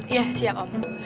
iya siap om